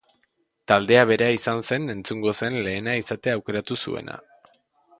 Taldea bera izan zen entzungo zen lehena izatea aukeratu zuena.